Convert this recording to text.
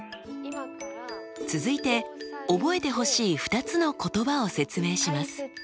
続いて覚えてほしい２つの言葉を説明します。